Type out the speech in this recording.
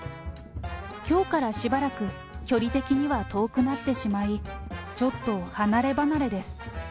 きょうからしばらく距離的には遠くなってしまい、ちょっと離れ離れです。